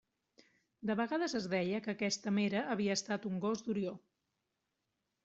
De vegades es deia que aquesta Mera havia estat un gos d'Orió.